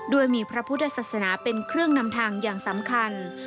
ด้วยมีพระพุทธศาสนาเป็นเครื่องนำทางอย่างสำคัญ